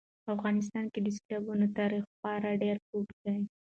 په افغانستان کې د سیلابونو تاریخ خورا ډېر اوږد دی.